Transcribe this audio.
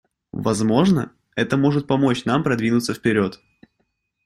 Возможно, это может помочь нам продвинуться вперед.